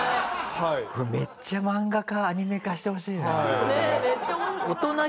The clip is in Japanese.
これめっちゃ漫画化アニメ化してほしいな。